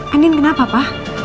andin kenapa pak